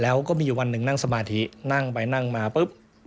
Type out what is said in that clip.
แล้วก็มีอยู่วันหนึ่งนั่งสมาธินั่งไปนั่งมาปุ๊บ